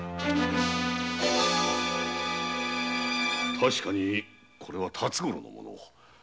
確かにこれは辰五郎のモノ。